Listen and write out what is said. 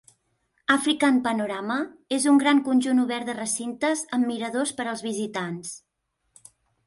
African Panorama és un gran conjunt obert de recintes amb miradors per als visitants.